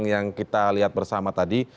yang kita lihat bersama tadi